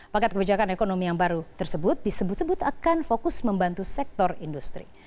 paket kebijakan ekonomi yang baru tersebut disebut sebut akan fokus membantu sektor industri